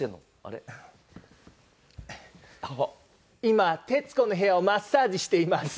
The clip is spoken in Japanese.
今徹子の部屋をマッサージしています。